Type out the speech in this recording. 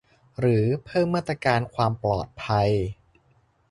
หรือเพิ่มมาตรการความปลอดภัย